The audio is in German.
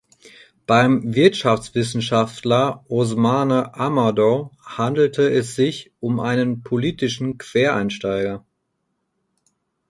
Beim Wirtschaftswissenschaftler Ousmane Amadou handelte es sich um einen politischen Quereinsteiger.